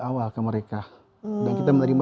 awal ke mereka dan kita menerima